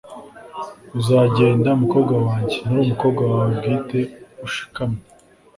uzagenda, mukobwa wanjye. nturi umukobwa wawe bwite. ushikamye